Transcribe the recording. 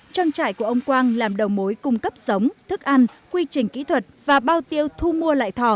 trang trại của ông quang làm đầu mối cung cấp giống thức ăn quy trình kỹ thuật và bao tiêu thu mua lại thỏ